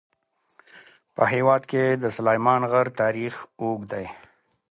په هېواد کې د سلیمان غر تاریخ اوږد دی.